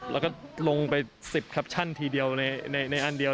แล้วก็ลงไป๑๐แคปชั่นทีเดียวในอันเดียว